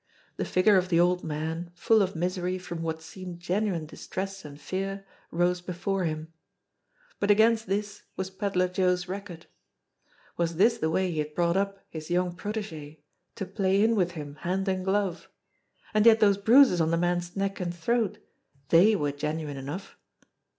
e? The figure of the old man, full of misery from what seemed genuine distress and fear, rose before him. But against this was Pedler Joe's record. Was this the way he had brought up his young protege to play in with him hand and glove ? And yet those bruises on the man's neck and throat they were genuine enough.